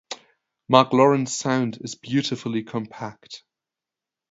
Mark Lawrence's sound is beautifully compact.